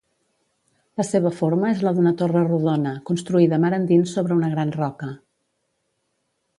La seva forma és la d'una torre rodona, construïda mar endins sobre una gran roca.